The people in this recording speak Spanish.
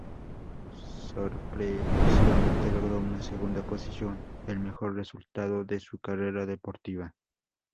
Sorpresivamente logró una segunda posición, el mejor resultado de su carrera deportiva.